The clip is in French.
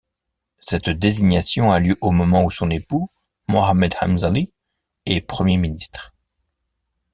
Cette désignation a lieu au moment où son époux, Mohamed Mzali, est Premier ministre.